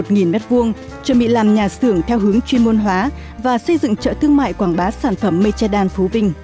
chuẩn bị làm nhà xưởng theo hướng chuyên môn hóa và xây dựng chợ thương mại quảng bá sản phẩm mây che đan phú vinh